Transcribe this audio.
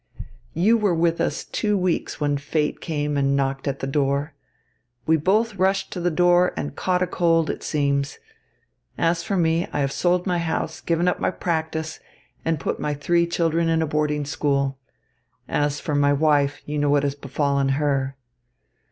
You were with us two weeks when fate came and knocked at the door. We both rushed to the door and caught a cold, it seems. As for me, I have sold my house, given up my practice, and put my three children in a boarding school. And as for my wife, you know what has befallen her.